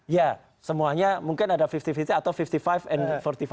ya semuanya mungkin ada lima puluh lima puluh atau lima puluh lima and empat puluh lima